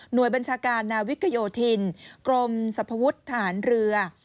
หน่วยบัญชาการนาวิกยโยธินกรมสภวุฒิฐานเรือ